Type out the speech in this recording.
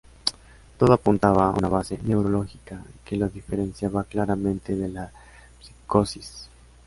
Todo apuntaba a una base neurológica, que lo diferenciaba claramente de las psicosis.